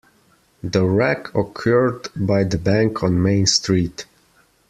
The wreck occurred by the bank on Main Street.